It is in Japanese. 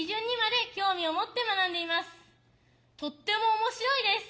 とっても面白いです。